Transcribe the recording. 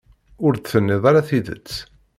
Ur d-tenniḍ ara tidet.